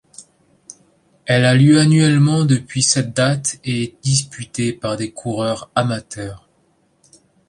Elle a lieu annuellement depuis cette date et est disputée par des coureurs amateurs.